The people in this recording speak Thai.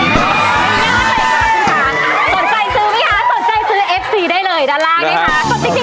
สนใจซื้อไหมคะสนใจซื้อเอฟซีได้เลยด้านล่างเลยค่ะ